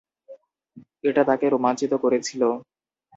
এটা তাকে রোমাঞ্চিত করেছিল।